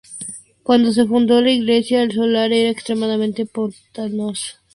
Cuando se fundó la iglesia, el solar era extremadamente pantanoso.